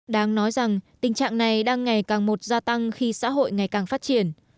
đáng nói rằng tình trạng này đang ngày càng một gia tăng khi xã hội ngày càng phát triển